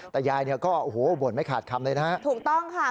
แต่ยายเนี่ยก็บ่นไม่ขาดคำเลยนะ